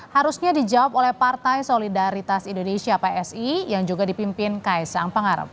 harusnya dijawab oleh partai solidaritas indonesia psi yang juga dipimpin kaisang pangarep